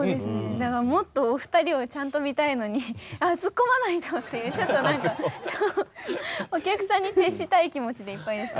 だからもっとお二人をちゃんと見たいのにあっツッコまないと！っていうちょっと何かお客さんに徹したい気持ちでいっぱいでした。